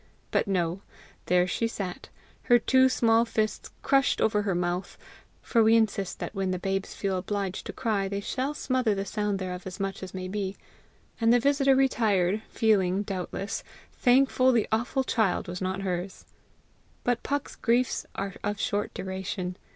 But no, there she sat, her two small fists crushed over her mouth for we insist that when the babes feel obliged to cry, they shall smother the sound thereof as much as may be and the visitor retired, feeling, doubtless, thankful the awful child was not hers. But Puck's griefs are of short duration.